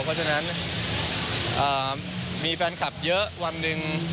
เพราะฉะนั้นมีแฟนคลับเยอะวันหนึ่ง